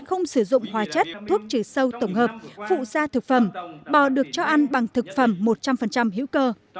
không sử dụng hóa chất thuốc trừ sâu tổng hợp phụ gia thực phẩm bò được cho ăn bằng thực phẩm một trăm linh hữu cơ